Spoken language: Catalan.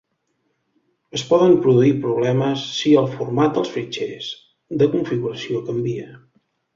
Es poden produir problemes si el format dels fitxers de configuració canvia.